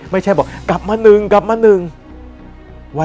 ไม่ใช่บอกกลับมา๑กลับมา๑วัน